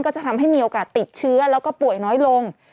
จะทำให้มีโอกาสติดเชื้อแล้วก็ป่วยน้อยลง